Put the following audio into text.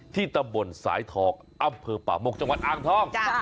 ที่ตะบ่นสายถอกอับเพลิงป่ามกจังหวัดอ่างท้อง